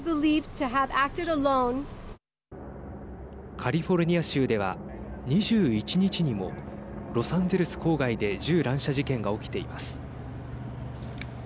カリフォルニア州では２１日にもロサンゼルス郊外で銃乱射事件が起きています。